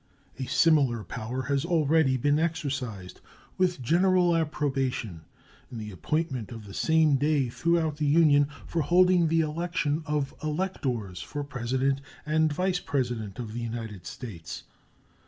A similar power has already been exercised, with general approbation, in the appointment of the same day throughout the Union for holding the election of electors for President and Vice President of the United States.